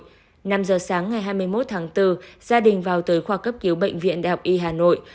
năm giờ sáng ngày hai mươi một tháng bốn gia đình vào tới khoa cấp cứu bệnh viện đại học y hà nội